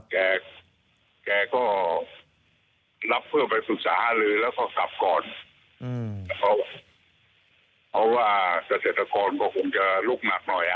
แกก็รับเพื่อไปศึกษาเลยแล้วก็กลับก่อนเพราะว่าเศรษฐกรก็คงจะลุกหนักหน่อย